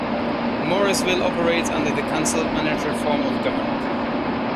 Morrisville operates under the Council-Manager form of government.